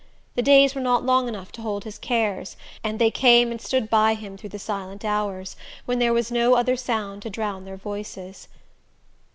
The days were not long enough to hold his cares, and they came and stood by him through the silent hours, when there was no other sound to drown their voices.